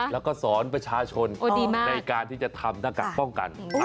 แล้วก็สอนประชาชนในการที่จะทำหน้ากากป้องกัน